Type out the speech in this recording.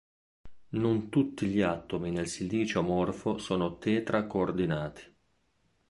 Non tutti gli atomi nel silicio amorfo sono tetra-coordinati.